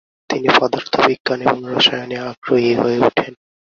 তিনি পদার্থবিজ্ঞান এবং রসায়নে আগ্রহী হয়ে উঠেন।